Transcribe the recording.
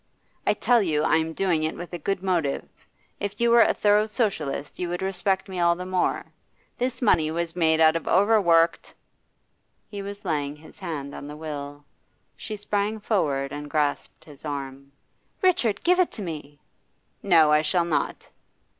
'I tell you I am doing it with a good motive. If you were a thorough Socialist, you would respect me all the more. This money was made out of overworked ' He was laying his hand on the will; she sprang forward and grasped his arm. 'Richard, give it to me!' 'No, I shall not.